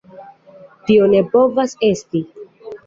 Tio ne povas esti!